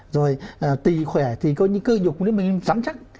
rồi tì khỏe thì cơ nhục nó mới rắn chắc